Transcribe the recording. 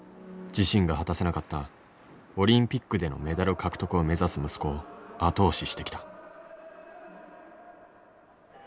自身が果たせなかったオリンピックでのメダル獲得を目指す息子を後押ししてきた。